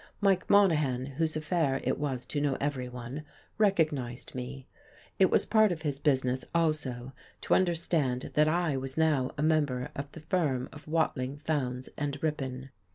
Mike Monahan, whose affair it was to know everyone, recognized me. It was part of his business, also, to understand that I was now a member of the firm of Watling, Fowndes and Ripon.